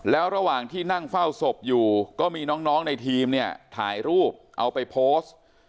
แล้วระหว่างที่นั่งเฝ้าศพอยู่ก็มีน้องในทีมเนี่ยถ่ายรูปเอาไปโพสต์